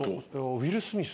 「ウィル・スミス」